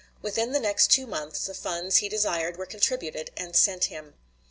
Within the next two months the funds he desired were contributed and sent him.